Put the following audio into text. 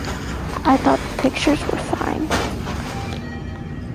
I thought the pictures were fine.